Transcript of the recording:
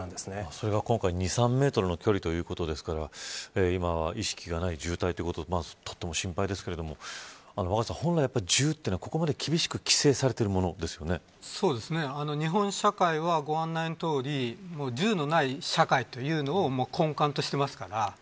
それが今回２、３メートルの距離ということですから今は意識がない重体ということでとても心配ですけれど本来、銃というのは、ここまで厳しく規制されている日本社会はご案内のとおり銃のない社会を根幹としています。